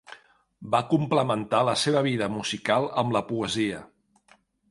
Va complementar la seva vida musical amb la poesia.